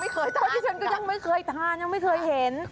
เคยเท่าที่ฉันก็ยังไม่เคยทานยังไม่เคยเห็น